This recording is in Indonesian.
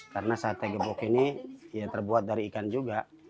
karena sate gepu ini terbuat dari ikan juga